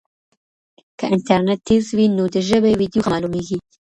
که انټرنیټ تېز وي نو د ژبې ویډیو ښه معلومېږي.